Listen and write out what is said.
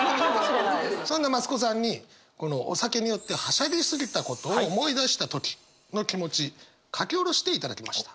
そんな増子さんにこのお酒に酔ってはしゃぎすぎたことを思い出した時の気持ち書き下ろしていただきました。